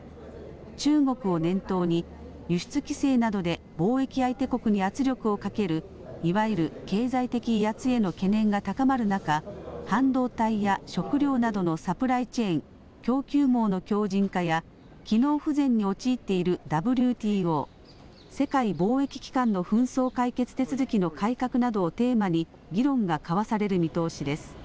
中国を念頭に輸出規制などで貿易相手国に圧力をかけるいわゆる経済的威圧への懸念が高まる中半導体や食料などのサプライチェーン供給網の強じん化や機能不全に陥っているＷＴＯ、世界貿易機関の紛争解決手続きの改革などをテーマに議論が交わされる見通しです。